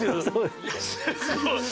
すごい！